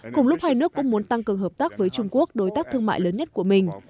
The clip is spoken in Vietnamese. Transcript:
cùng lúc hai nước cũng muốn tăng cường hợp tác với trung quốc đối tác thương mại lớn nhất của mình